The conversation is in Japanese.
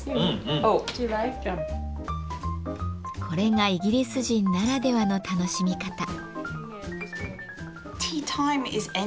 これがイギリス人ならではの楽しみ方。